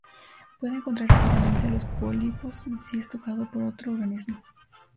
Puede contraer rápidamente los pólipos si es tocado por otro organismo.